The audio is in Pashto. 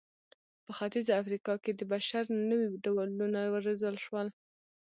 په ختیځه افریقا کې د بشر نوي ډولونه وروزل شول.